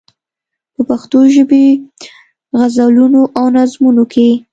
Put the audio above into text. په پښتو ژبې غزلونو او نظمونو کې.